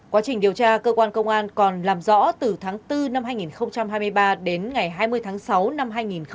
quá trình điều tra cơ quan công an còn làm rõ từ tháng bốn năm hai nghìn hai mươi ba đến ngày hai mươi tháng sáu năm hai nghìn hai mươi ba